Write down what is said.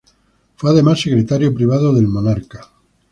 Fue además secretario privado del monarca.